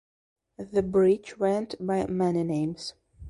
The bridge went by many names.